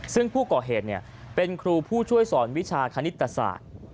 ซึ่งผู้ก่อเหตุเป็นครูผู้ช่วยสอนวิชาคณิตศาสตร์